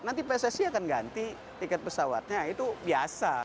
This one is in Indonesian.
nanti pssi akan ganti tiket pesawatnya itu biasa